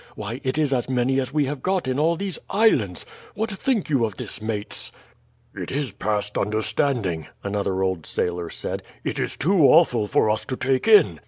Why, it is as many as we have got in all these islands! What think you of this mates?" "It is past understanding," another old sailor said. "It is too awful for us to take in."